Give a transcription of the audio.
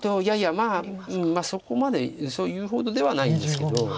いやいやそこまでそう言うほどではないんですけど。